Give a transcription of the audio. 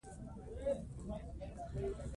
د ارزونې پریکړه په څلورو میاشتو کې کیږي.